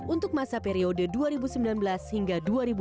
untuk masa periode dua ribu sembilan belas hingga dua ribu dua puluh